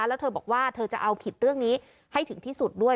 แล้วเธอบอกว่าเธอจะเอาผิดเรื่องนี้ให้ถึงที่สุดด้วย